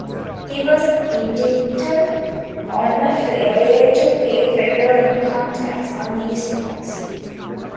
He was indicted on a failure to pay federal income tax on these stocks.